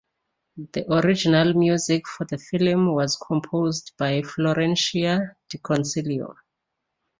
The original music for the film was composed by Florencia di Concilio.